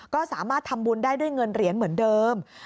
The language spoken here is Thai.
ก็สามารถทำบุญได้ด้วยเงินเหรียญเหมือนเดิม